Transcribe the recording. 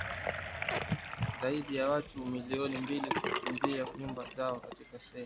zaidi ya watu milioni mbili kukimbia nyumba zao katika Sahel